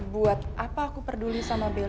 buat apa aku peduli sama bill